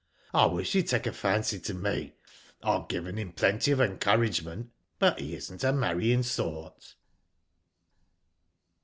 I wish he'd take a fancy to me. I've given him plenty of encouragement, but he isn't a marrying sort."